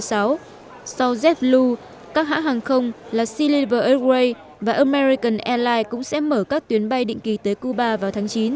sau jeflue các hãng hàng không là silever airways và american airlines cũng sẽ mở các tuyến bay định kỳ tới cuba vào tháng chín